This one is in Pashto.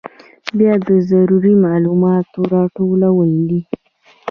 بیا د ضروري معلوماتو راټولول دي.